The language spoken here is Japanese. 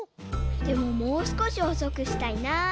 でももうすこしほそくしたいな。